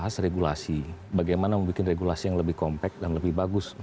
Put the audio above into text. se unboxingnya singkirkan